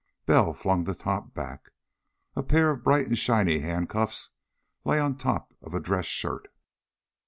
Bell flung the top back. A pair of bright and shiny handcuffs lay on top of a dress shirt.